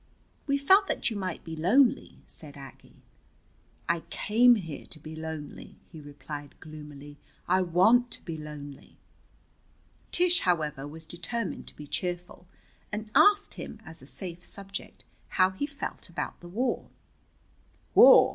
"We felt that you might be lonely," said Aggie. "I came here to be lonely," he replied gloomily. "I want to be lonely." Tish, however, was determined to be cheerful, and asked him, as a safe subject, how he felt about the war. "War?"